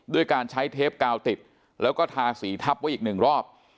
ด้วยการใช้เทปกาวติดแล้วก็ทาสีทับไว้อีกหนึ่งรอบ